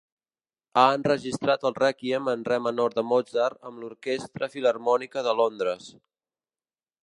Ha enregistrat el Rèquiem en re menor de Mozart amb l'Orquestra Filharmònica de Londres.